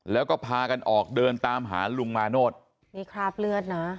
แล้วก็พากันออกเดินตามหาลุงมาโนธนี่คราบเลือดนะ